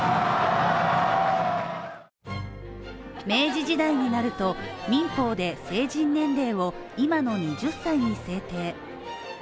明治時代になると民法で成人年齢を、今の２０歳に制定。